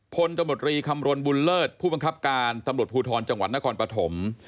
ตมตรีคำรณบุญเลิศผู้บังคับการตำรวจภูทรจังหวัดนครปฐม